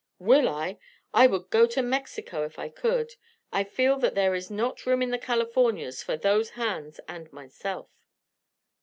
"Will I? I would go to Mexico if I could. I feel that there is not room in the Californias for those hands and myself."